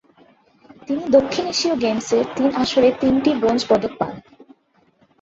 তিনি দক্ষিণ এশীয় গেমসের তিন আসরে তিনটি ব্রোঞ্জ পদক পান।